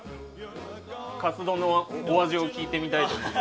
カツ丼のお味を聞いてみたいと思います。